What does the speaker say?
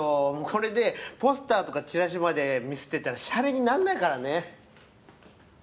これでポスターとかチラシまでミスってたらシャレになんないからね。